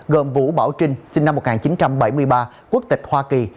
gồm vũ bảo trinh sinh năm một nghìn chín trăm bảy mươi ba quốc tịch hoa kỳ